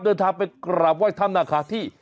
เดินทางไปกราบไห้ถ้ำนาคาที่